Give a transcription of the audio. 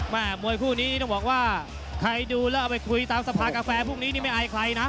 มวยคู่นี้ต้องบอกว่าใครดูแล้วเอาไปคุยตามสภากาแฟพรุ่งนี้นี่ไม่อายใครนะ